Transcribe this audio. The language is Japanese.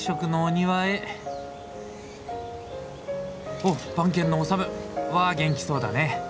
おっ番犬のオサムは元気そうだね。